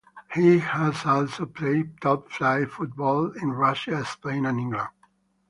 He has also played top flight football in Russia, Spain and England.